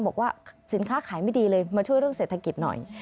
บอกว่าสินค้าขายไม่ดีเลยมาช่วยเรื่องเศรษฐกิจหน่อย